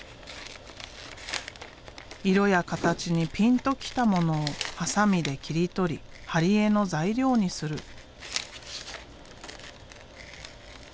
色や形にピンときたものをハサミで切り取り貼り絵の材料にする。